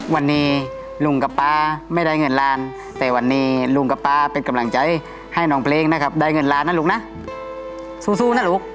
วันนี้ลุงกับป๊าไม่ได้เงินล้านแต่วันนี้ลุงกับป๊าเป็นกำลังใจให้น้องเพลงนะครับได้เงินล้านนะลูกนะสู้นะลูก